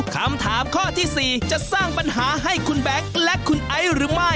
ส้มเขียวหวานจะราคาถูกที่สุดหรือเปล่า